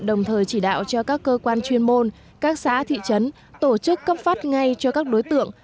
đồng thời chỉ đạo cho các cơ quan chuyên môn các xã thị trấn tổ chức cấp phát ngay cho các đối tượng